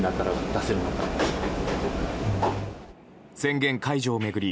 宣言解除を巡り